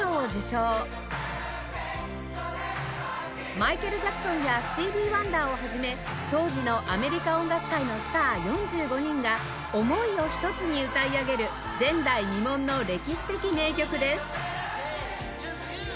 マイケル・ジャクソンやスティーヴィー・ワンダーを始め当時のアメリカ音楽界のスター４５人が思いを一つに歌い上げる前代未聞の歴史的名曲です